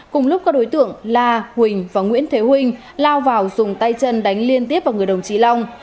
cùng lúc các đối tượng la huỳnh và nguyễn thế huỳnh lao vào dùng tay chân đánh liên tiếp vào người đồng chí long